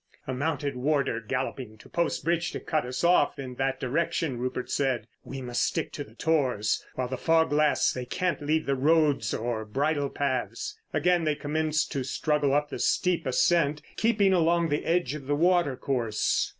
"A mounted warder galloping to Post Bridge to cut us off in that direction," Rupert said. "We must stick to the tors. While the fog lasts they can't leave the roads or bridle paths." Again they commenced to struggle up the steep ascent, keeping along the edge of the water course.